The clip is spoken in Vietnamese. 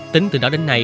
tính từ đó đến nay